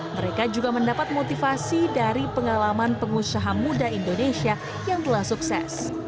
mereka juga mendapat motivasi dari pengalaman pengusaha muda indonesia yang telah sukses